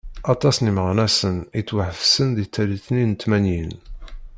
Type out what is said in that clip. Aṭas n imeɣnasen i yettwaḥebsen di tallit-nni n tmanyin.